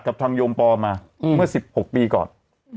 กับทางโยมปอมาเมื่อ๑๖ปีก่อน